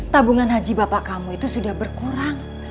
tabungan haji bapak kamu itu sudah berkurang